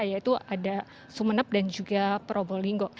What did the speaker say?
yaitu ada sumeneb dan juga probolinggo